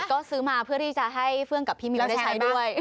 ก็ซื้อมาเพื่อที่จะให้เฟื่องกับพี่มิวได้ใช้ด้วย